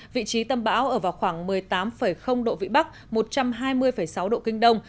vị trí tâm bão ở vào khoảng một mươi tám độ vĩ bắc một trăm hai mươi sáu độ kinh đông